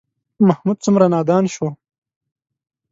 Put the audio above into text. محمود څومره نادان شو.